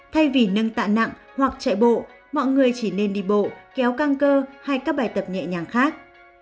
thay vì nâng tạ nặng hoặc chạy bộ mọi người chỉ nên đi bộ kéo căng cơ hay các bài tập nhẹ nhàng khác